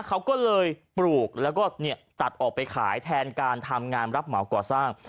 เขาก็เลยปลูกแล้วก็ตัดออกไปขายแทนการทำงานรับเหมาก่อสร้าง